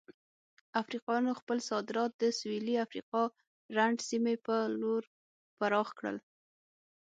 افریقایانو خپل صادرات د سویلي افریقا رنډ سیمې په لور پراخ کړل.